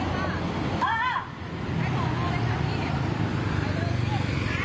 กลับมาเล่าให้ฟังครับ